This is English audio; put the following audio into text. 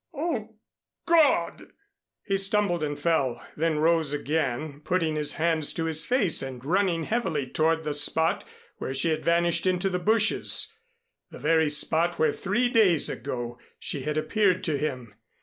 Oh, God!" He stumbled and fell; then rose again, putting his hands to his face and running heavily toward the spot where she had vanished into the bushes the very spot where three days ago she had appeared to him.